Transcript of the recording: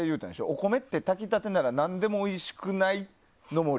お米って炊き立てなら何でも美味しくない？の森。